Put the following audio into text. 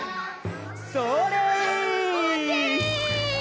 それ！